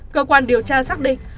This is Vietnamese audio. cơ quan điều tra xác định